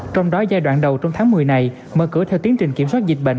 trong đó giai đoạn đầu trong tháng một mươi này mở cửa theo tiến trình kiểm soát dịch bệnh